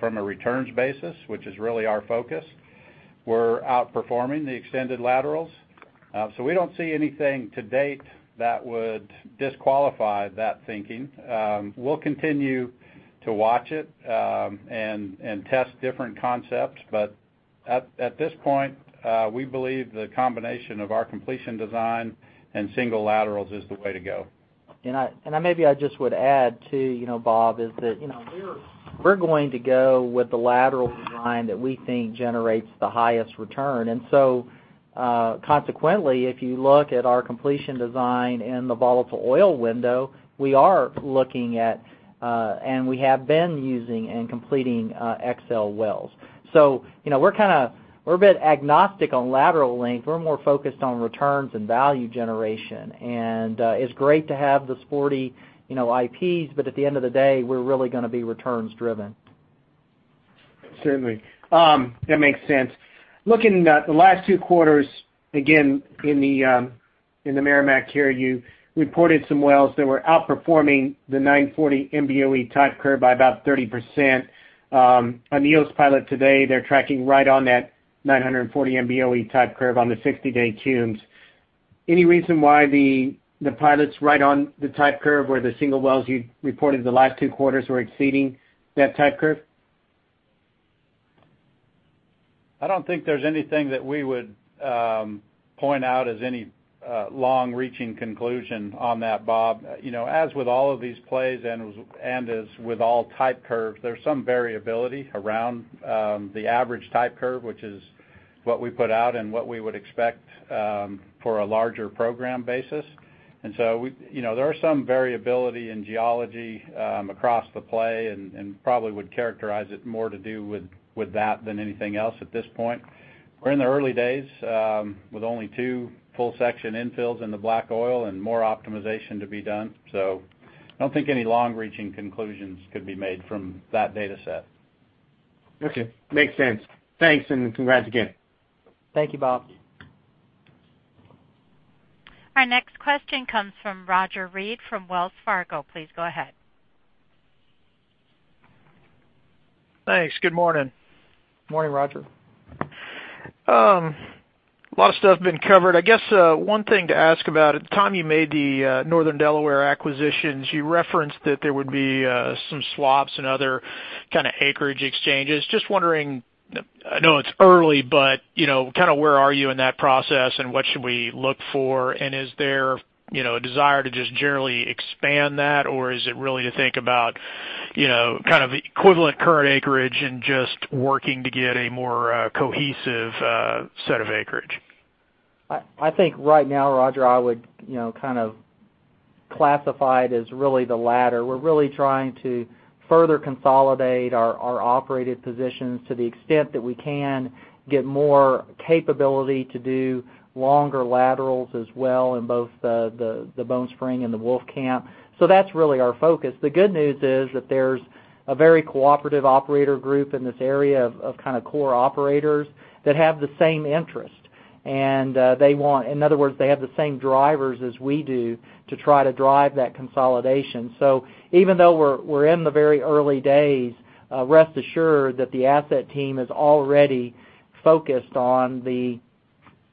from a returns basis, which is really our focus, were outperforming the extended laterals. We don't see anything to date that would disqualify that thinking. We'll continue to watch it and test different concepts, but at this point, we believe the combination of our completion design and single laterals is the way to go. Maybe I just would add, too, Bob, is that we're going to go with the lateral design that we think generates the highest return. Consequently, if you look at our completion design in the volatile oil window, we are looking at, and we have been using and completing XL wells. We're a bit agnostic on lateral length. We're more focused on returns and value generation. It's great to have the sporty IPs, but at the end of the day, we're really going to be returns driven. Certainly. That makes sense. Looking at the last two quarters, again, in the Meramec here, you reported some wells that were outperforming the 940 MBOE type curve by about 30%. On EOG's pilot today, they're tracking right on that 940 MBOE type curve on the 60-day CUMs. Any reason why the pilot's right on the type curve where the single wells you reported the last two quarters were exceeding that type curve? I don't think there's anything that we would point out as any long-reaching conclusion on that, Bob. As with all of these plays and as with all type curves, there's some variability around the average type curve, which is what we put out and what we would expect for a larger program basis. There are some variability in geology across the play, and probably would characterize it more to do with that than anything else at this point. We're in the early days with only two full section infills in the black oil and more optimization to be done. I don't think any long-reaching conclusions could be made from that data set. Okay. Makes sense. Thanks, and congrats again. Thank you, Bob. Our next question comes from Roger Read from Wells Fargo. Please go ahead. Thanks. Good morning. Morning, Roger. A lot of stuff been covered. I guess one thing to ask about, at the time you made the Northern Delaware acquisitions, you referenced that there would be some swaps and other kind of acreage exchanges. Just wondering, I know it's early, but where are you in that process, and what should we look for? Is there a desire to just generally expand that, or is it really to think about equivalent current acreage and just working to get a more cohesive set of acreage? I think right now, Roger, I would classify it as really the latter. We're really trying to further consolidate our operated positions to the extent that we can get more capability to do longer laterals as well in both the Bone Spring and the Wolfcamp. That's really our focus. The good news is that there's a very cooperative operator group in this area of core operators that have the same interest. In other words, they have the same drivers as we do to try to drive that consolidation. Even though we're in the very early days, rest assured that the asset team is already focused on the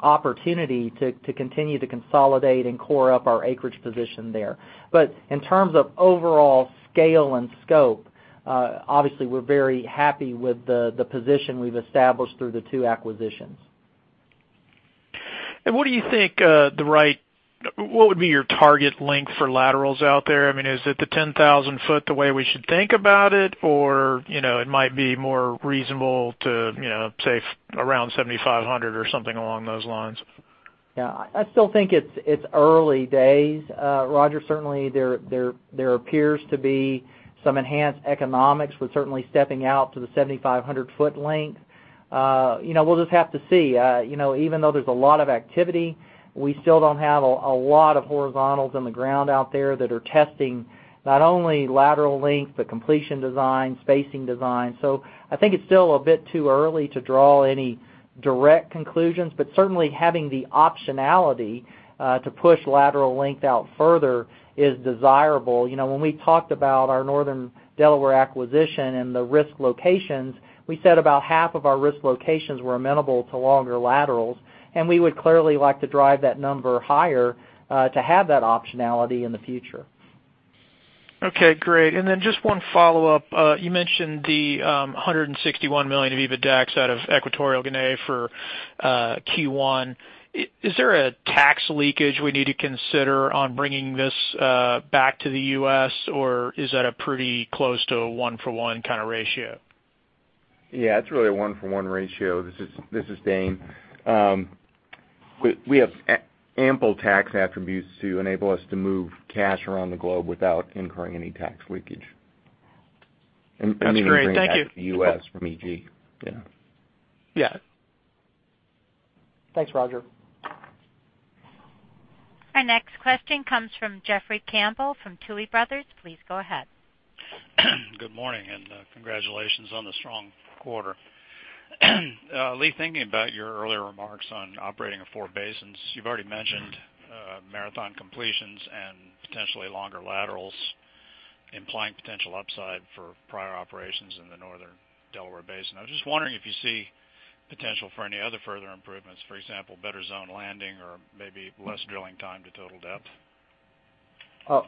opportunity to continue to consolidate and core up our acreage position there. In terms of overall scale and scope, obviously, we're very happy with the position we've established through the two acquisitions. What would be your target length for laterals out there? Is it the 10,000 foot the way we should think about it, or it might be more reasonable to say around 7,500 or something along those lines? I still think it's early days, Roger. Certainly, there appears to be some enhanced economics with certainly stepping out to the 7,500 foot length. We'll just have to see. Even though there's a lot of activity, we still don't have a lot of horizontals in the ground out there that are testing not only lateral length, but completion design, spacing design. I think it's still a bit too early to draw any direct conclusions, but certainly having the optionality to push lateral length out further is desirable. When we talked about our Northern Delaware acquisition and the risk locations, we said about half of our risk locations were amenable to longer laterals, and we would clearly like to drive that number higher to have that optionality in the future. Okay, great. Then just one follow-up. You mentioned the $161 million of EBITDAX out of Equatorial Guinea for Q1. Is there a tax leakage we need to consider on bringing this back to the U.S., or is that a pretty close to a one-for-one kind of ratio? It's really a one-for-one ratio. This is Dane. We have ample tax attributes to enable us to move cash around the globe without incurring any tax leakage. That's great. Thank you. Even bringing it back to the U.S. from EG. Yeah. Yeah. Thanks, Roger. Our next question comes from Jeffrey Campbell from Tuohy Brothers. Please go ahead. Good morning, and congratulations on the strong quarter. Lee, thinking about your earlier remarks on operating four basins, you've already mentioned Marathon completions and potentially longer laterals implying potential upside for prior operations in the Northern Delaware Basin. I was just wondering if you see potential for any other further improvements, for example, better zone landing or maybe less drilling time to total depth. Oh,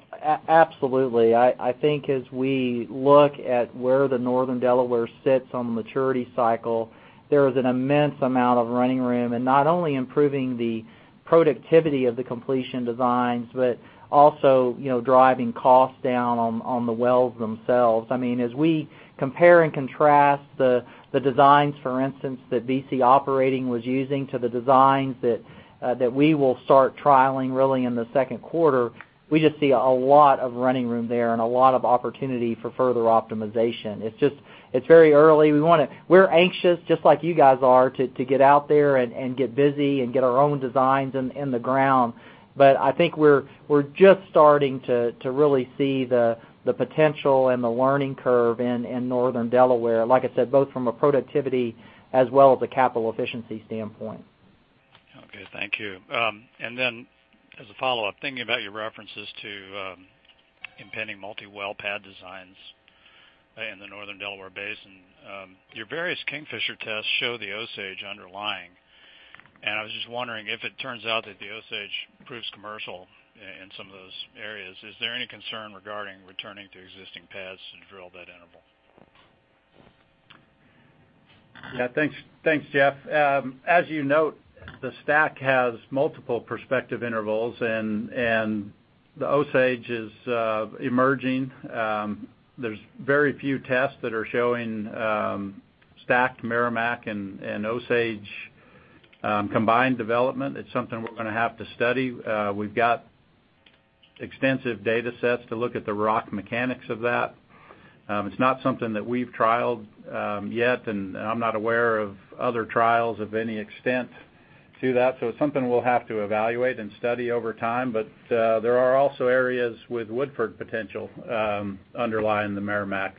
absolutely. I think as we look at where the Northern Delaware sits on the maturity cycle, there is an immense amount of running room in not only improving the productivity of the completion designs, but also driving costs down on the wells themselves. As we compare and contrast the designs, for instance, that BC Operating was using to the designs that we will start trialing really in the second quarter, we just see a lot of running room there and a lot of opportunity for further optimization. It's very early. We're anxious, just like you guys are, to get out there and get busy and get our own designs in the ground. But I think we're just starting to really see the potential and the learning curve in Northern Delaware. Like I said, both from a productivity as well as a capital efficiency standpoint. Thank you. Then as a follow-up, thinking about your references to impending multi-well pad designs in the Northern Delaware Basin, your various Kingfisher tests show the Osage underlying. I was just wondering if it turns out that the Osage proves commercial in some of those areas, is there any concern regarding returning to existing pads to drill that interval? Yeah. Thanks, Jeff. As you note, the STACK has multiple prospective intervals. The Osage is emerging. There's very few tests that are showing STACK, Meramec, and Osage combined development. It's something we're going to have to study. We've got extensive data sets to look at the rock mechanics of that. It's not something that we've trialed yet. I'm not aware of other trials of any extent to that, it's something we'll have to evaluate and study over time. There are also areas with Woodford potential underlying the Meramec.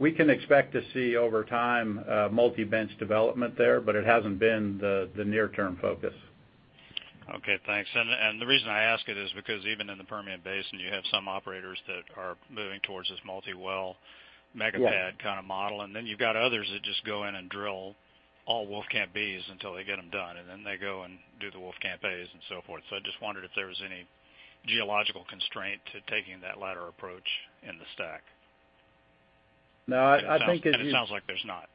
We can expect to see over time, multi-bench development there, but it hasn't been the near-term focus. Okay, thanks. The reason I ask it is because even in the Permian Basin, you have some operators that are moving towards this multi-well mega pad kind of model. Then you've got others that just go in and drill all Wolfcamp Bs until they get them done, and then they go and do the Wolfcamp As and so forth. I just wondered if there was any geological constraint to taking that latter approach in the STACK. No, I think as you- It sounds like there's not.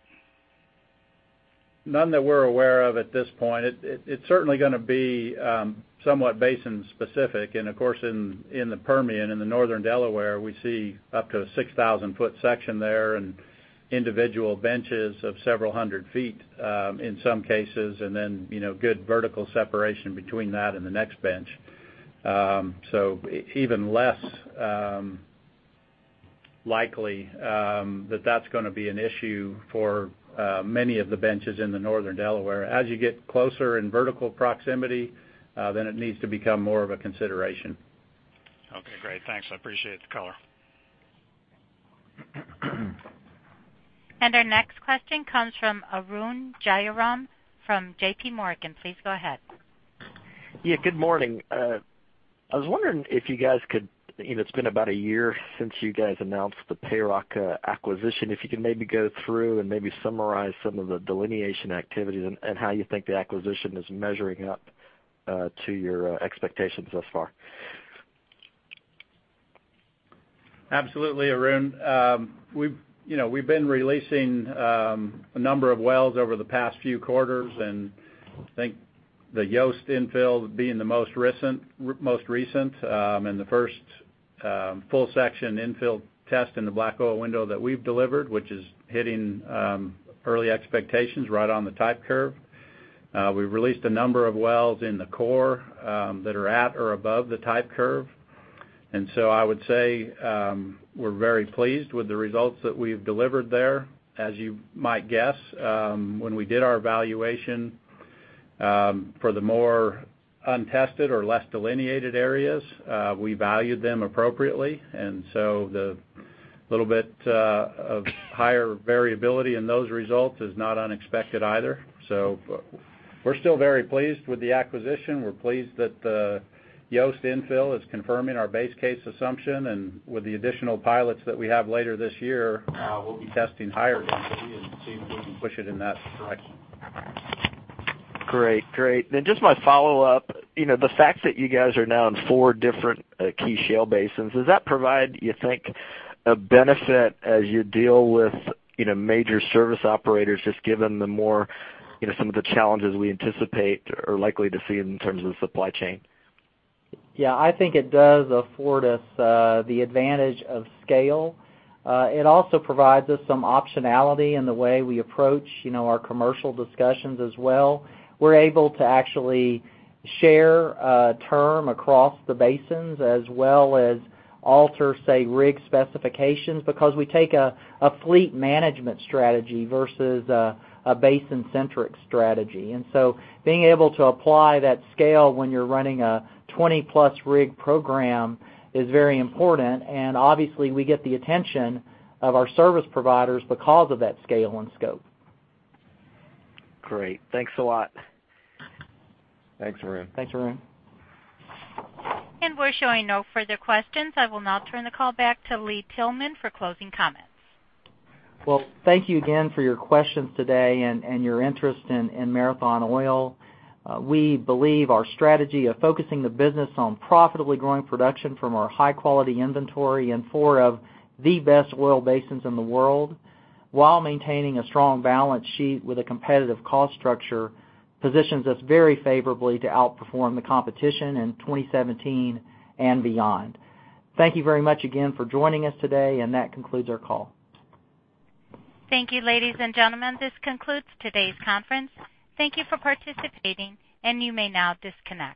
None that we're aware of at this point. It's certainly going to be somewhat basin specific. Of course, in the Permian, in the Northern Delaware, we see up to a 6,000-foot section there and individual benches of several hundred feet, in some cases. Then good vertical separation between that and the next bench. Even less likely that that's going to be an issue for many of the benches in the Northern Delaware. As you get closer in vertical proximity, then it needs to become more of a consideration. Okay, great. Thanks. I appreciate the color. Our next question comes from Arun Jayaram from JPMorgan Chase. Please go ahead. Yeah. Good morning. It's been about a year since you guys announced the PayRock acquisition. If you could maybe go through and maybe summarize some of the delineation activities and how you think the acquisition is measuring up to your expectations thus far. Absolutely, Arun. We've been releasing a number of wells over the past few quarters, and I think the Yost infill being the most recent, and the first full section infill test in the black oil window that we've delivered, which is hitting early expectations right on the type curve. We've released a number of wells in the core that are at or above the type curve. I would say, we're very pleased with the results that we've delivered there. As you might guess, when we did our evaluation for the more untested or less delineated areas, we valued them appropriately, and the little bit of higher variability in those results is not unexpected either. We're still very pleased with the acquisition. We're pleased that the Yost infill is confirming our base case assumption. With the additional pilots that we have later this year, we'll be testing higher density and see if we can push it in that direction. Just my follow-up. The fact that you guys are now in four different key shale basins, does that provide, you think, a benefit as you deal with major service operators, just given some of the challenges we anticipate are likely to see in terms of the supply chain? Yeah. I think it does afford us the advantage of scale. It also provides us some optionality in the way we approach our commercial discussions as well. We're able to actually share term across the basins as well as alter, say, rig specifications, because we take a fleet management strategy versus a basin-centric strategy. Being able to apply that scale when you're running a 20-plus rig program is very important. Obviously, we get the attention of our service providers because of that scale and scope. Great. Thanks a lot. Thanks, Arun. Thanks, Arun. We're showing no further questions. I will now turn the call back to Lee Tillman for closing comments. Well, thank you again for your questions today and your interest in Marathon Oil. We believe our strategy of focusing the business on profitably growing production from our high-quality inventory in four of the best oil basins in the world, while maintaining a strong balance sheet with a competitive cost structure, positions us very favorably to outperform the competition in 2017 and beyond. Thank you very much again for joining us today, and that concludes our call. Thank you, ladies and gentlemen. This concludes today's conference. Thank you for participating, and you may now disconnect.